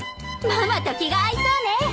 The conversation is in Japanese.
ママと気が合いそうね。